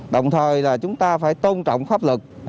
đồng thời là chúng ta phải tôn trọng pháp luật